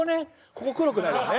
ここ黒くなるよね。